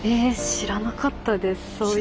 知らなかったね